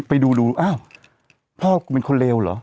ไปดูดูอ้าวพ่อกูเป็นคนเลวเหรอ